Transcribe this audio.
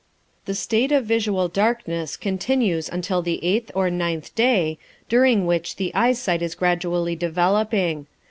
The state of visual darkness continues until the eighth or ninth day, during which the eyesight is gradually developing.